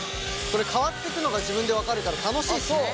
これ変わっていくのが自分で分かるから楽しいですね